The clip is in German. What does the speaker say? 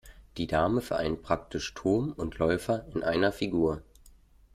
Die Dame vereint praktisch Turm und Läufer in einer Figur.